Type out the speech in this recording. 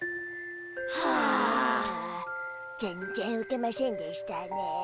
全然ウケませんでしたねえ。